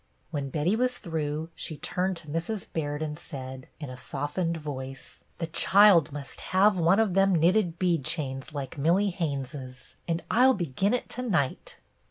When Betty was through, she turned to Mrs. Baird and said, in a softened voice, —" The child must have one of them knitted bead chains like Millie Haines's; and I'll begin it to night."